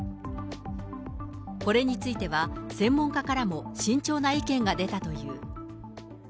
これについては、専門家からも慎重な意見が出たという。